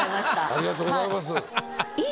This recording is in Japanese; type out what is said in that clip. ありがとうございます。